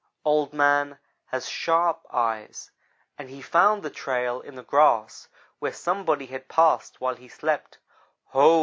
Old man has sharp eyes, and he found the trail in the grass where somebody had passed while he slept. 'Ho!'